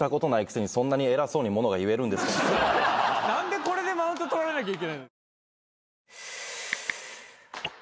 何でこれでマウント取られなきゃいけないの。